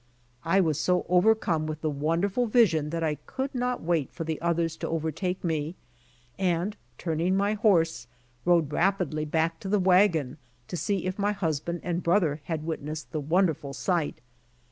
I was so overcome with the wonderful vision that I could not wait for the others to overtake me, and turning my horse, rode rapidly back to the wagon to see if my husband and brother had witnessed the wonderful sight.